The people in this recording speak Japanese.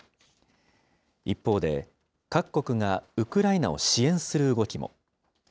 一方で、各国がウクライナを支援する動きも。